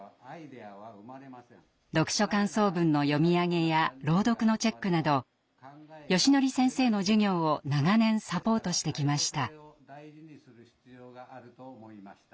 読書感想文の読み上げや朗読のチェックなどよしのり先生の授業を長年サポートしてきました。